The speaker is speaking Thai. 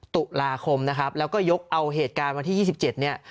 ตุลาคมนะครับแล้วก็ยกเอาเหตุการณ์วันที่๒๗เนี่ย